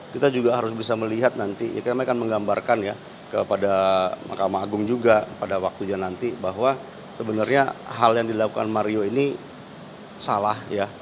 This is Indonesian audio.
kita juga harus bisa melihat nanti ya kami akan menggambarkan ya kepada mahkamah agung juga pada waktunya nanti bahwa sebenarnya hal yang dilakukan mario ini salah ya